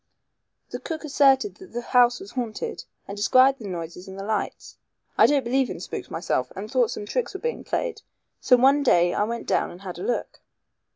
The cook asserted that the house was haunted, and described the noises and the lights. I don't believe in spooks myself, and thought some tricks were being played, so one day I went down and had a look."